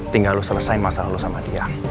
tinggal lo selesain masalah lo sama dia